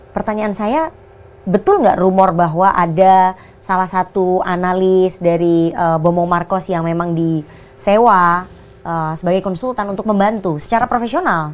pertanyaan saya betul nggak rumor bahwa ada salah satu analis dari bomo marcos yang memang disewa sebagai konsultan untuk membantu secara profesional